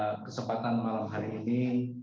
pada kesempatan malam hari ini